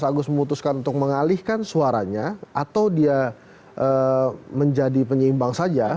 kalau misalnya mas agus memutuskan untuk mengalihkan suaranya atau dia menjadi penyeimbang saja